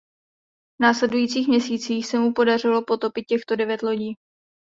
V následujících měsících se mu podařilo potopit těchto devět lodí.